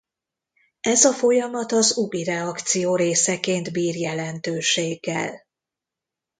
Ez a folyamat az Ugi-reakció részeként bír jelentőséggel.